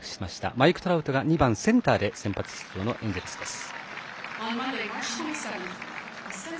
マイク・トラウトが２番、センターで先発出場のエンジェルスです。